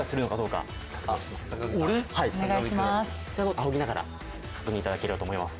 あおぎながら確認頂ければと思います。